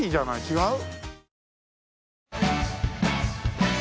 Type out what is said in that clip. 違う？